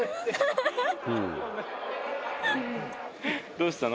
どうしたの？